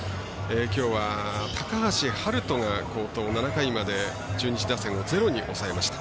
きょうは、高橋遥人が好投、７回まで中日打線をゼロに抑えました。